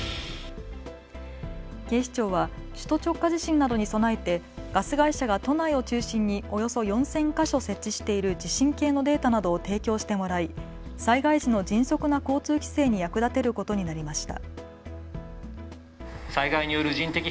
警視庁は首都直下地震などに備えてガス会社が都内を中心におよそ４０００か所設置している地震計のデータなどを提供してもらい災害時の迅速な交通規制に役立てることになりました。